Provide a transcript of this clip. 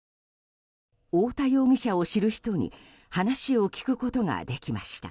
太田容疑者を知る人に話を聞くことができました。